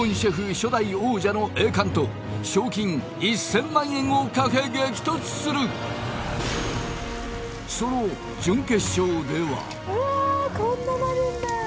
初代王者の栄冠賞金１０００万円を懸け激突するその準決勝ではうわーこんななるんだわあ